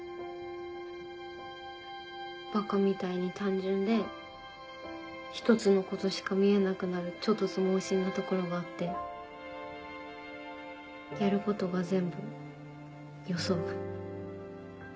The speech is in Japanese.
バカみたいに単純で１つのことしか見えなくなる猪突猛進なところがあってやることが全部予想外。